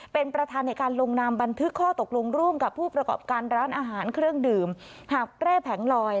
เพราะประกอบการร้านอาหารเครื่องดื่มหักแร่แผงลอย